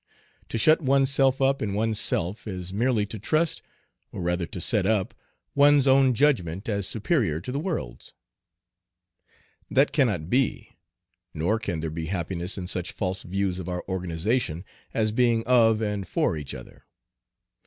To shut one's self up in one's self is merely to trust, or rather to set up, one's own judgment as superior to the world's. That cannot be, nor can there be happiness in such false views of our organization as being of and for each other.